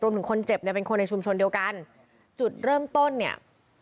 ถึงคนเจ็บเนี่ยเป็นคนในชุมชนเดียวกันจุดเริ่มต้นเนี่ย